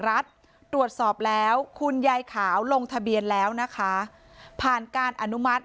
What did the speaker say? รัฐตรวจสอบแล้วคุณยายขาวลงทะเบียนแล้วนะคะผ่านการอนุมัติ